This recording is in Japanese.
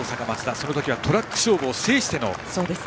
その時はトラック勝負を制しての。